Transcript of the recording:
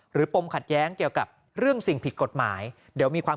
ปมขัดแย้งเกี่ยวกับเรื่องสิ่งผิดกฎหมายเดี๋ยวมีความ